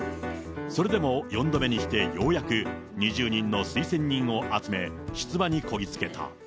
それでも４度目にしてようやく、２０人の推薦人を集め、出馬にこぎつけた。